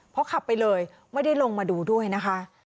เพราะขับไปเลยไม่ได้ลงมาดูด้วยนะคะ